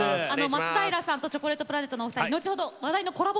松平さんとチョコレートプラネットのお二人後ほど話題のコラボ